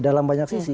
dalam banyak sisi